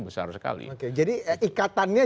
besar sekali jadi ikatannya